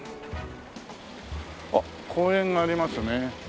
あっ公園がありますね。